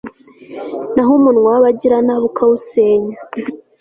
naho umunwa w'abagiranabi ukawusenya